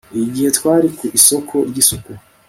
igihe twari ku isomo ry'isuku